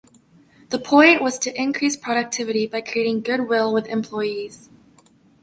The point was to increase productivity by creating good will with employees.